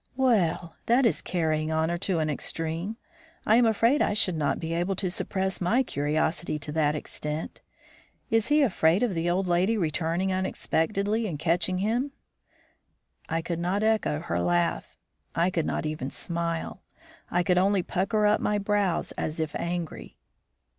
"Well! that is carrying honor to an extreme. I am afraid I should not be able to suppress my curiosity to that extent. Is he afraid of the old lady returning unexpectedly and catching him?" I could not echo her laugh; I could not even smile; I could only pucker up my brows as if angry.